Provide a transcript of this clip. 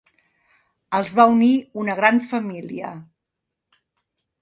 Els va unir una gran família.